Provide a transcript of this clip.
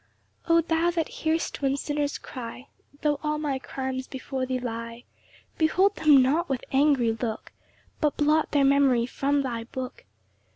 1 O thou that hear'st when sinners cry, Tho' all my crimes before thee lie, Behold them not with angry look, But blot their memory from thy book.